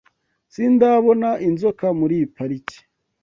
sindabona inzoka muri iyi pariki